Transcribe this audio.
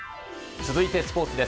続いてスポーツです。